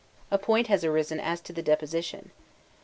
A point has arisen as to the deposition.